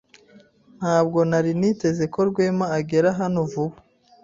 Ntabwo nari niteze ko Rwema agera hano vuba.